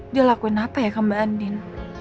dia lakuin apa ya ke mbak andin